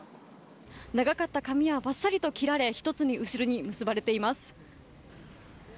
長かった髪はバッサリと切られ１つに後ろに結ばれています。